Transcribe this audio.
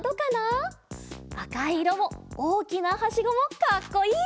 あかいいろもおおきなはしごもかっこいい！